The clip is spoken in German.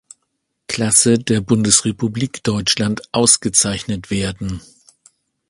Klasse der Bundesrepublik Deutschland ausgezeichnet werden.